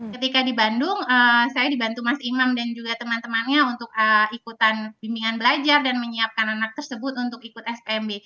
ketika di bandung saya dibantu mas imam dan juga teman temannya untuk ikutan bimbingan belajar dan menyiapkan anak tersebut untuk ikut smb